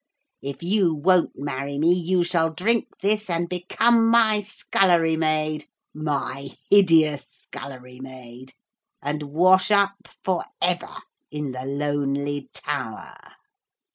If you won't marry me you shall drink this and become my scullery maid my hideous scullery maid and wash up for ever in the lonely tower.'